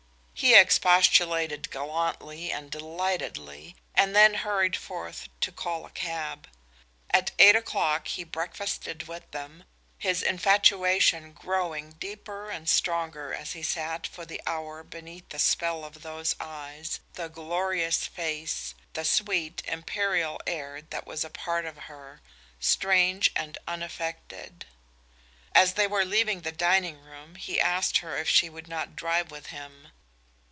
He expostulated gallantly and delightedly, and then hurried forth to call a cab. At eight o'clock he breakfasted with them, his infatuation growing deeper and stronger as he sat for the hour beneath the spell of those eyes, the glorious face, the sweet, imperial air that was a part of her, strange and unaffected. As they were leaving the dining room he asked her if she would not drive with him.